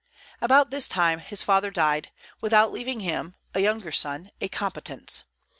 About this time his father died, without leaving him, a younger son, a competence.